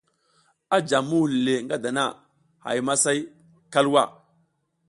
A jam muhul le ngada a hay masay kalwa.